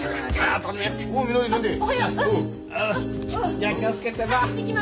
じゃあ気を付けてな。